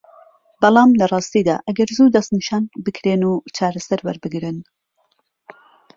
بەڵام لە راستیدا ئەگەر زوو دەستنیشان بکرێن و چارەسەر وەربگرن